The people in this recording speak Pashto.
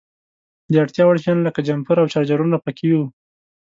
د اړتیا وړ شیان لکه جمپر او چارجرونه په کې وو.